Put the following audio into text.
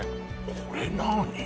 これ何？